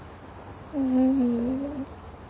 うん。